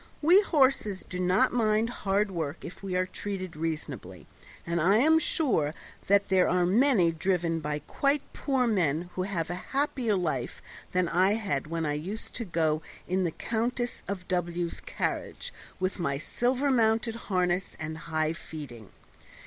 We horses do not mind hard work if we are treated reasonably, and I am sure there are many driven by quite poor men who have a happier life than I had when I used to go in the Countess of W 's carriage, with my silver mounted harness and high feeding.